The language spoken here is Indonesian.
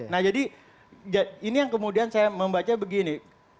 nah jadi ini yang kemudian saya membaca begini